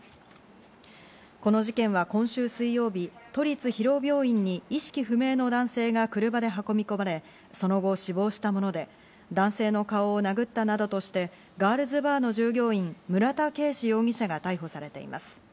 この事件は今週水曜日、都立広尾病院に意識不明の男性が車で運び込まれ、その後死亡したもので、男性の顔を殴ったなどとして、ガールズバーの従業員・村田圭司容疑者が逮捕されています。